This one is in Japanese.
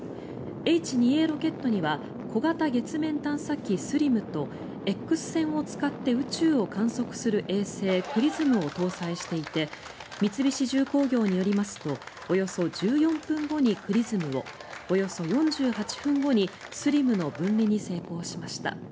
Ｈ２Ａロケットには小型月面探査機ＳＬＩＭとＸ線を使って宇宙を観測する衛星ＸＲＩＳＭを搭載していて三菱重工業によりますとおよそ１４分後にＸＲＩＳＭを４８分後にＳＬＩＭの分離に成功しました。